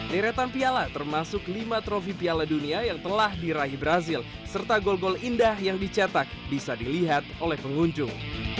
deretan piala termasuk lima trofi piala dunia yang telah diraih brazil serta gol gol indah yang dicetak bisa dilihat oleh pengunjung